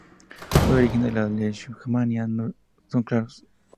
Los orígenes de la "Leishmania" no son claros.